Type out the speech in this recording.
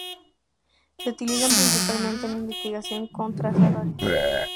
Se utilizan principalmente en investigación con trazadores.